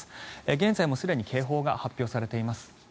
現在もすでに警報が発表されています。